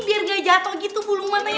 dijepit dulu bulu matanya